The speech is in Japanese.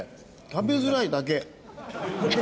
食べづらいだけ。